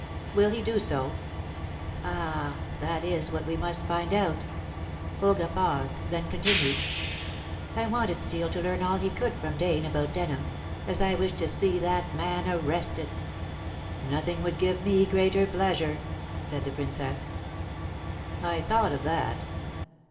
"Will he do so?" "Ah! that is what we must find out." Olga paused, then continued. "I wanted Steel to learn all he could from Dane about Denham, as I wish to see that man arrested." "Nothing would give me greater pleasure," cried the Princess. "I thought of that.